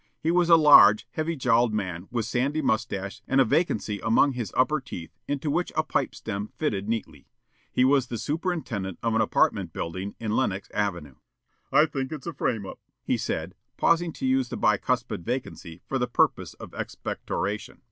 He was a large, heavy jowled man with sandy mustache and a vacancy among his upper teeth into which a pipe stem fitted neatly. He was the superintendent of an apartment building in Lenox Avenue. "I think it's a frame up," he said, pausing to use the bicuspid vacancy for the purpose of expectoration.